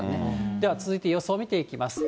では続いて予想を見ていきます。